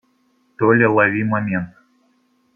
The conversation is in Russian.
Толя, лови момент.